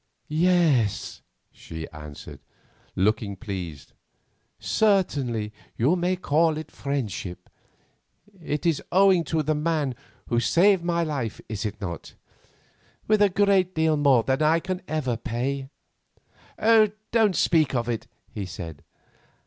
"Yes," she answered, looking pleased; "certainly you may say of my friendship. It is owing to the man who saved my life, is it not,—with a great deal more that I can never pay?" "Don't speak of it," he said.